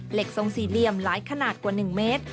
ทรงสี่เหลี่ยมหลายขนาดกว่า๑เมตร